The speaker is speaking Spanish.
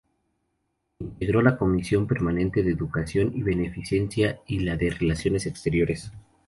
Integró la comisión permanente de Educación y Beneficencia, y la de Relaciones Exteriores.